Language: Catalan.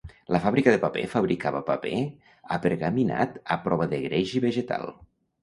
La fàbrica de paper fabricava paper apergaminat a prova de greix i vegetal.